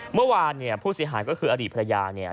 เมื่อวานเนี่ยผู้เสียหายก็คืออดีตภรรยาเนี่ย